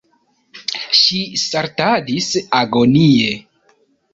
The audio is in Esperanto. Ŝi saltadis agonie.